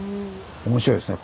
面白いですね